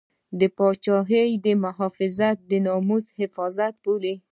د پاچاهۍ حفاظت یې د ناموس حفاظت باله.